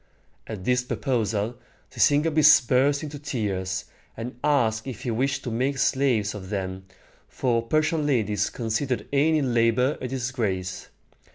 At this proposal, Sisygambis burst into tears, and asked if he wished to make slaves of them, for Persian ladies considered any labor a disgrace.